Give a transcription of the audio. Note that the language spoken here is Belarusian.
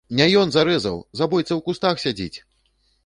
Не ён зарэзаў, забойца ў кустах сядзіць!